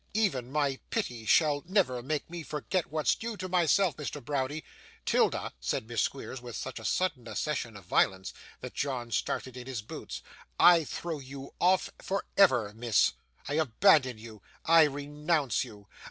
Even my pity shall never make me forget what's due to myself, Mr. Browdie. 'Tilda,' said Miss Squeers, with such a sudden accession of violence that John started in his boots, 'I throw you off for ever, miss. I abandon you. I renounce you.